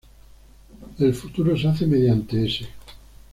El futuro se hace mediante "-s-".